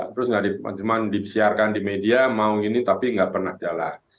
terus cuman disiarkan di media mau ini tapi nggak pernah jalan